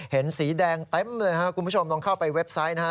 สีแดงเต็มเลยครับคุณผู้ชมลองเข้าไปเว็บไซต์นะฮะ